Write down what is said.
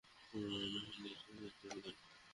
পুরানো হিন্দি চলচ্চিত্রের গান।